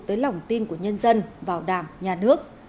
tới lòng tin của nhân dân bảo đảm nhà nước